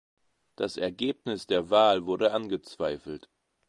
Das Ergebnis der Wahl wurde angezweifelt.